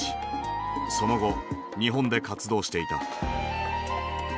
その後日本で活動していた。